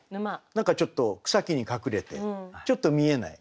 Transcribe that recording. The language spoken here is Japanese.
何かちょっと草木に隠れてちょっと見えない。